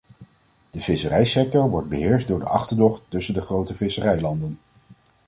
De visserijsector wordt beheerst door de achterdocht tussen de grote visserijlanden.